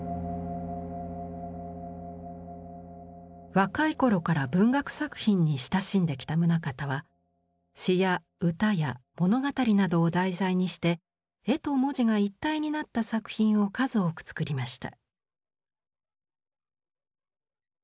若い頃から文学作品に親しんできた棟方は詩や歌や物語などを題材にして絵と文字が一体になった作品を数多くつくりました。